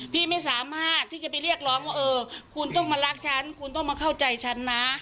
พี่ไม่สามารถที่จะไปเรียกร้องว่าเออคุณต้องมารักฉันคุณต้องมาเข้าใจฉันนะ